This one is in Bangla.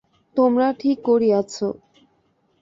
তোমরা ঠিক করিয়াছ?